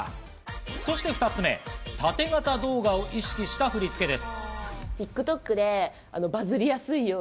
そして２つ目、縦型動画を意識した振り付けです。